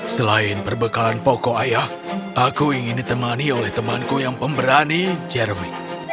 selain perbekalan pokok ayah aku ingin ditemani oleh temanku yang pemberani jeremy